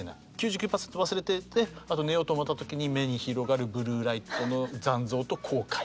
９９％忘れててあと寝ようと思った時に目に広がるブルーライトの残像と後悔。